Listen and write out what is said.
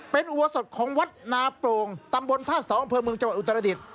เป็นอุบวสดของวัดนาโปรงตำบลธาสตร์๒บจังหวัดอุตรศาสตร์อดีต